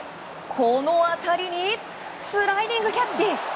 この当たりにスライディングキャッチ！